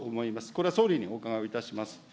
これは総理にお伺いをいたします。